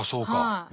はい。